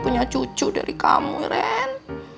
punya cucu dari kamu ren